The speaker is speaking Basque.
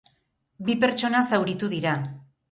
Bi pertsona zauritu dira.